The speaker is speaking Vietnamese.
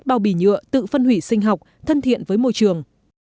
các bào bì nhựa tự phân hủy sinh học thân thiện với môi trường